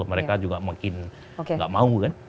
mereka juga makin nggak mau kan